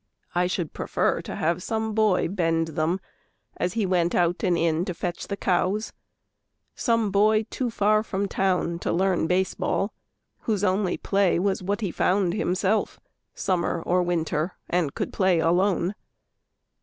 I should prefer to have some boy bend them As he went out and in to fetch the cows Some boy too far from town to learn baseball, Whose only play was what he found himself, Summer or winter, and could play alone.